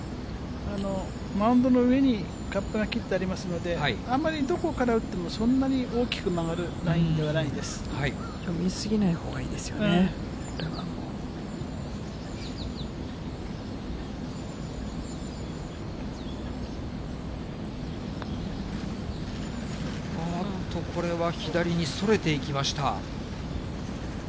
マウンドの上にカップが切ってありますので、あんまりどこから打っても、そんなに大きく曲がるラインではない読み過ぎないほうがいいですあっと、これは左にそれていきました。